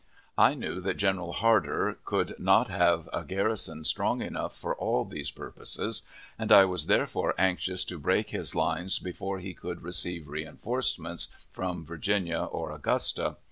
I knew that General Hardee could not have a garrison strong enough for all these purposes, and I was therefore anxious to break his lines before he could receive reenforcements from Virginia or Augusta.